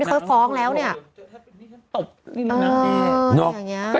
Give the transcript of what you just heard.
เขาฟ้องแล้วเนี่ย